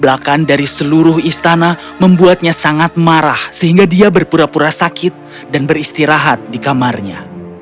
belakang dari seluruh istana membuatnya sangat marah sehingga dia berpura pura sakit dan beristirahat di kamarnya